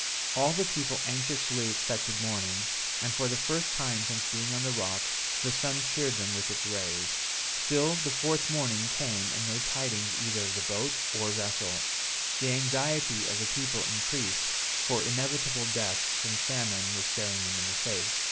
All the people anxiously expected morning, and, for the first time since being on the rock, the sun cheered them with its rays. Still the fourth morning came and no tidings either of the boat or vessel. The anxiety of the people increased, for inevitable death from famine, was staring them in the face.